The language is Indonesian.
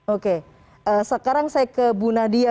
oke sekarang saya ke bu nadia